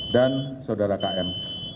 dan saudara km